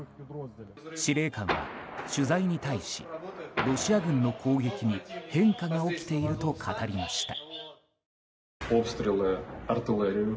司令官は、取材に対しロシア軍の攻撃に変化が起きていると語りました。